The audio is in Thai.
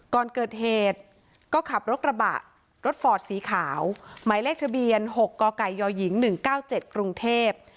ก่อนเกิดเหตุก็ขับรถกระบะรถฟอร์ดสีขาวหมายเลขทะเบียน๖กกยหญิง๑๙๗กรุงเทพ